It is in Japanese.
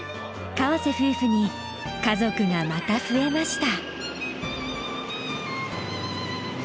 河瀬夫婦に家族がまた増えました。